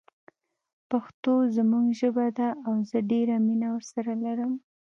پښتو زموږ ژبه ده او زه ډیره مینه ورسره لرم